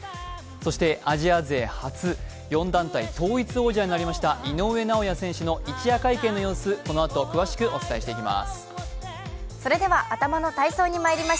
そしてアジア勢初、４団体統一王者になりました井上尚弥選手の一夜会見の様子、このあと詳しくお伝えしていきます。